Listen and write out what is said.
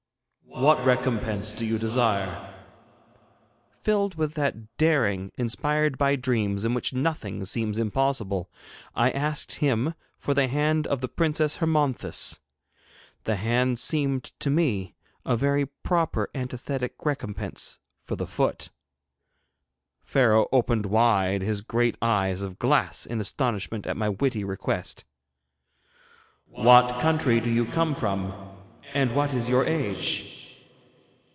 'What recompense do you desire?' Filled with that daring inspired by dreams in which nothing seems impossible, I asked him for the hand of the Princess Hermonthis. The hand seemed to me a very proper antithetic recompense for the foot. Pharaoh opened wide his great eyes of glass in astonishment at my witty request. 'What country do you come from, and what is your age?'